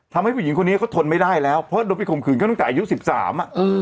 ผู้หญิงคนนี้เขาทนไม่ได้แล้วเพราะโดนไปข่มขืนเขาตั้งแต่อายุสิบสามอ่ะเออ